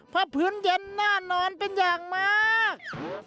เพราะพื้นเย็นน่านอนเป็นอย่างมาก